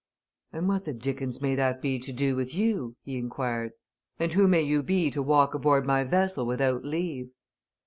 "And what the dickens may that be to do with you?" he inquired. "And who may you be to walk aboard my vessel without leave?"